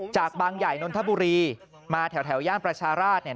จากบางใหญ่นทบุรีมาแถวแห่งประชาราช